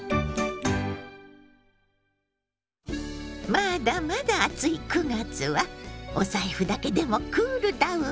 まだまだ暑い９月はお財布だけでもクールダウン！